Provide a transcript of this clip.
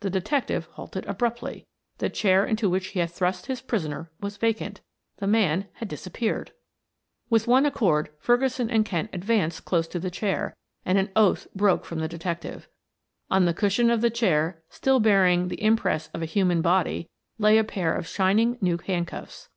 The detective halted abruptly. The chair into which he had thrust his prisoner was vacant. The man had disappeared. With one accord Ferguson and Kent advanced close to the chair, and an oath broke from the detective. On the cushion of the chair, still bearing the impress of a human body, lay a pair of shining new handcuffs.